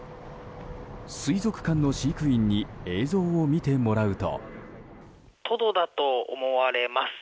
水族館の飼育員に映像を見てもらうと。